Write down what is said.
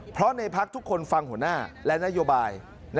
เพราะในพักทุกคนฟังหัวหน้าและนโยบาย